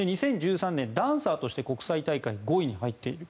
２０１３年、ダンサーとして国際大会５位に入っている。